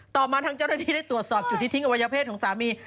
ต่อมาทางเจ้าหน้าที่ได้ตรวจสอบจุดที่ทิ้งอวัยเพศของสามี